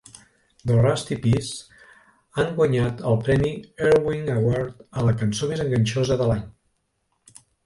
The Rusty Ps han guanyat el premi "Earwig Award" a la cançó més enganxosa de l"any.